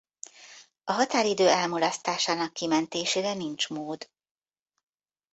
A határidő elmulasztásának kimentésére nincs mód.